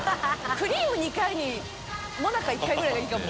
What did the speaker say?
クリーム２回にもなか１回ぐらいがいいかも。